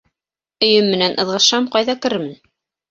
Өйөм менән ыҙғышһам, ҡайҙа керермен?